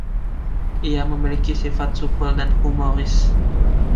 Ia memiliki sifat supel dan humoris.